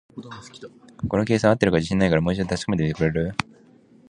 この計算、合ってるか自信ないから、もう一度確かめてみてくれる？